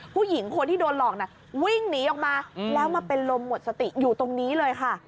ผู้หญิงคนที่โดนหลอกน่ะวิ่งหนีออกมาแล้วมาเป็นลมหมดสติอยู่ตรงนี้เลยค่ะ